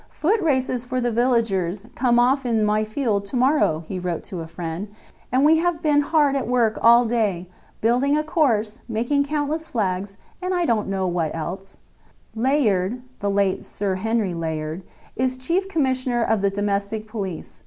"Foot races for the villagers come off in my field to morrow," he wrote to a friend, "and we have been hard at work all day, building a course, making countless flags, and I don't know what else, Layard (the late Sir Henry Layard) is chief commissioner of the domestic police.